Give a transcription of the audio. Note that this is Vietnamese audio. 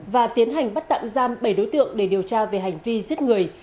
và tiến hành bắt tạm giam bảy đối tượng để điều tra về hành vi giết người